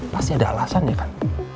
pasti ada alasan ya kan